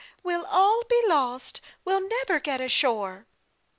We'll all be lost. We'll never get ashore!'